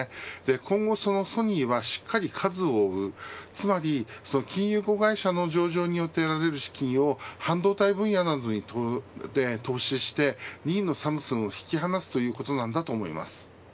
今後ソニーはしっかり数を追うつまり、金融子会社の上場によって得られる資金を半導体分野などに投資して２位のサムスンを引き離すということなんだと思います。